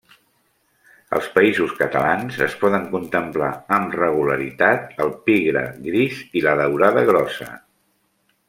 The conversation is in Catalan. Als Països Catalans es poden contemplar amb regularitat el pigre gris i la daurada grossa.